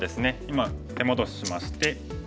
今手戻ししまして。